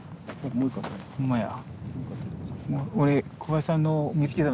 ほんまや。